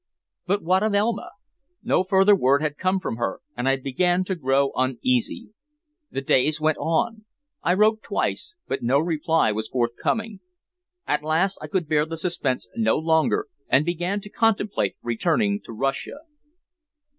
But of Elma? No further word had come from her, and I began to grow uneasy. The days went on. I wrote twice, but no reply was forthcoming. At last I could bear the suspense no longer, and began to contemplate returning to Russia.